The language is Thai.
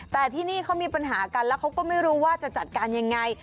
แต่ที่นี่เขามีปัญหากันแล้วเขาก็ไม่รู้ว่าจะจัดการยังไง